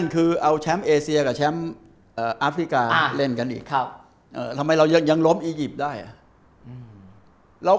คือเรารู้ว่าเราเป็นรองเยอะ